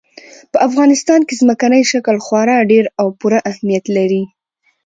په افغانستان کې ځمکنی شکل خورا ډېر او پوره اهمیت لري.